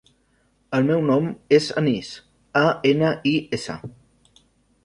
El meu nom és Anis: a, ena, i, essa.